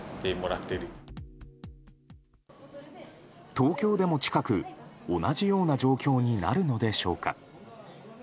東京でも近く同じような状況になるのでしょうか。